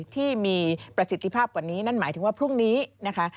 ที่มีประสิทธิภาพกว่านี้นั่นหมายถึงว่าพรุ่งนี้นะคะ